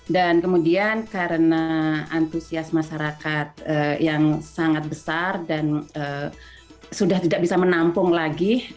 dan kemudian karena antusias masyarakat yang sangat besar dan sudah tidak bisa menampung lagi